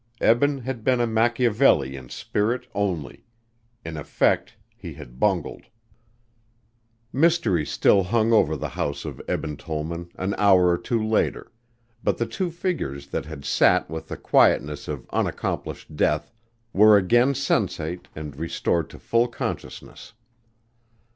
Eben had been a Machiavelli in spirit only. In effect he had bungled. Mystery still hung over the house of Eben Tollman an hour or two later, but the two figures that had sat with the quietness of unaccomplished death were again sensate and restored to full consciousness.